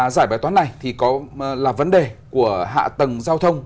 giải bài toán này thì là vấn đề của hạ tầng giao thông